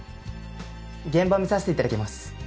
現場見させて頂きます。